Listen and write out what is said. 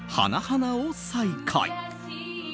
花を再開。